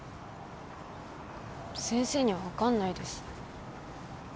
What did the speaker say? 先生には分かんないです。